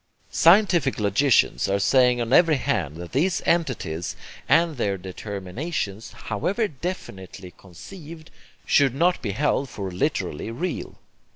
Scientific logicians are saying on every hand that these entities and their determinations, however definitely conceived, should not be held for literally real.